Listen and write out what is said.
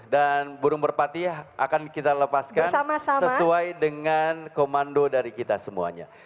dan burung merpati akan kita lepaskan sesuai dengan komando dari kita semuanya